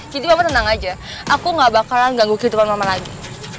jadi mama tenang aja aku gak bakalan ganggu kehidupan mama lagi